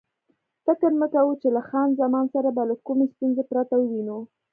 فکر مې کاوه چې له خان زمان سره به له کومې ستونزې پرته ووینو.